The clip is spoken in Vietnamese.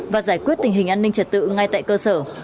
và giải quyết tình hình an ninh trật tự ngay tại cơ sở